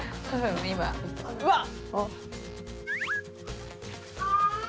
今うわっ！